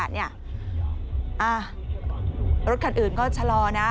รถคันอื่นก็ชะลอนะ